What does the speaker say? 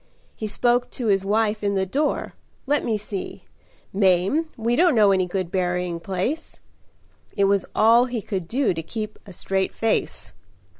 He spoke to his wife in the door, 'Let me see, Mame, we don't know any good berrying place?' It was all he could do to keep a straight face.